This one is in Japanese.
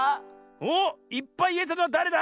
おっいっぱいいえたのはだれだ？